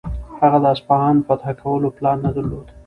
هغه د اصفهان فتح کولو پلان نه درلود.